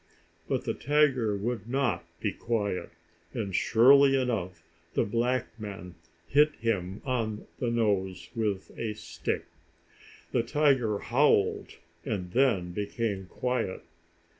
But the tiger would not be quiet, and, surely enough, the black man hit him on the nose with a stick. The tiger howled and then became quiet.